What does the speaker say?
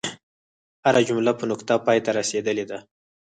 هره جمله په نقطه پای ته رسیدلې ده.